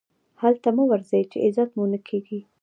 هلته مه ورځئ، چي عزت مو نه کېږي.